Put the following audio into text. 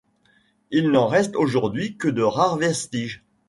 Il n’en reste aujourd’hui que de rares vestiges.